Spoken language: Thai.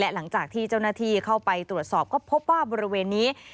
หลังจากที่เจ้าหน้าที่เข้าไปตรวจสอบก็พบว่าบริเวณนี้